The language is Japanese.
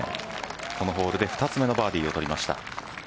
このホールで２つ目のバーディーを取りました。